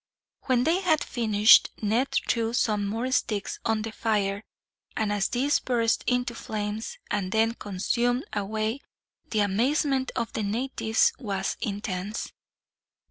When they had finished, Ned threw some more sticks on the fire, and as these burst into flames and then consumed away, the amazement of the natives was intense.